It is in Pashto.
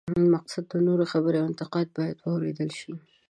مقصد د نورو خبرې او انتقاد باید واورېدل شي.